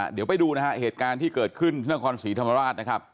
เดี๋ยวไปดูนะฮะเหตุการณ์ที่เกิดขึ้นที่นครศรีธรรมราชนะครับ